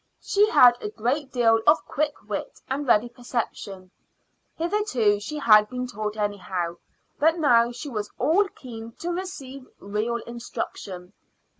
She had a great deal of quick wit and ready perception. Hitherto she had been taught anyhow, but now she was all keen to receive real instruction.